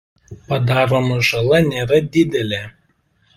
Padaroma žala nėra didelė.